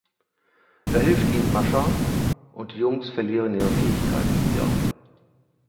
Da hilft ihnen Mascha, und die Jungs verlieren ihre Fähigkeiten wieder.